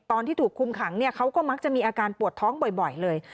ตอนที่ถูกคุมขังเขาก็มักจะมีอาการปวดท้องบ่อยเลย